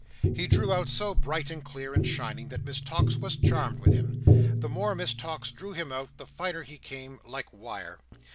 He drew out so bright, and clear, and shining, that Miss Tox was charmed with him. The more Miss Tox drew him out, the finer he came—like wire.